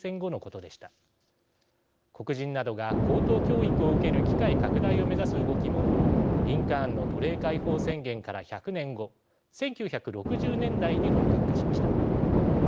黒人などが高等教育を受ける機会拡大を目指す動きもリンカーンの奴隷解放宣言から１００年後１９６０年代に本格化しました。